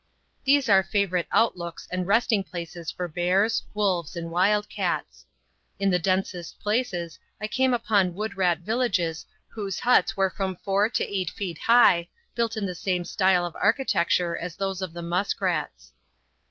These are favorite outlooks and resting places for bears, wolves, and wildcats. In the densest places I came upon woodrat villages whose huts were from four to eight feet high, built in the same style of architecture as those of the muskrats.